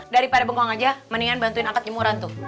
daripada bengkong aja mendingan bantuin angkat jemuran tuh